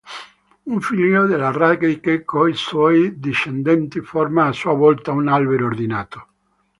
Un figlio della radice coi suoi discendenti forma a sua volta un albero ordinato.